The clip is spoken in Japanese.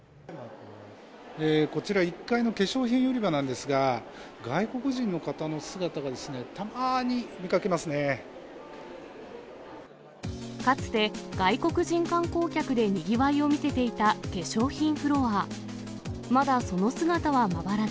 こちら、１階の化粧品売り場なんですが、外国人の方の姿がですね、たまにかつて、外国人観光客でにぎわいを見せていた化粧品フロア。